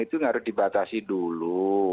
itu harus dibatasi dulu